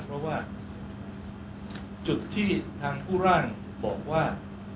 เพราะว่าจุดที่ทางผู้ร่างบอกว่า